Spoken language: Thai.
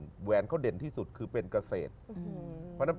ก็จะออกหนี้ไป